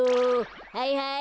はいはい！